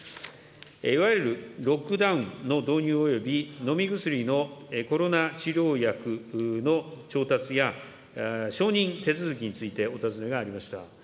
いわゆるロックダウンの導入および飲み薬のコロナ治療薬の調達や承認手続きについてお尋ねがありました。